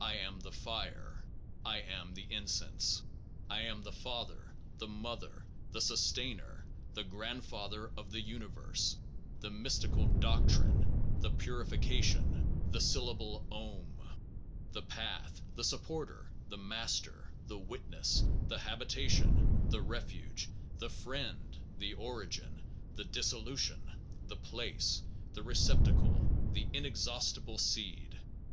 I am the fire. I am the incense. I am the father, the mother, the sustainer, the grandfather of the universe the mystic doc trine, the purification, the syllable "Om" ... the path, the supporter, the master, the wit ness, the habitation, the refuge, the friend, the origin, the dissolution, the place, the receptacle, the inexhaustible seed.